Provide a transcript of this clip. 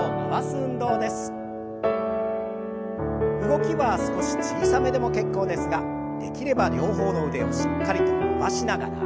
動きは少し小さめでも結構ですができれば両方の腕をしっかりと伸ばしながら。